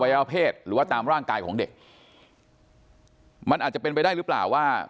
เพศหรือว่าตามร่างกายของเด็กมันอาจจะเป็นไปได้หรือเปล่าว่า